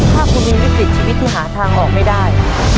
ถ้าคุณมีวิกฤตชีวิตที่หาทางออกไม่ได้